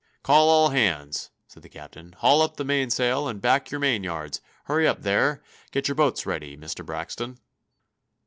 "Call all hands!" said the captain. "Haul up the mainsail, and back your main yards. Hurry up there! Get your boats ready, Mr. Braxton!"